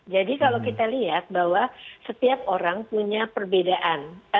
jadi kalau kita lihat bahwa setiap orang punya perbedaan